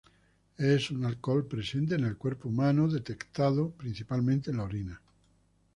Es un alcohol presente en el cuerpo humano, detectado principalmente en la orina.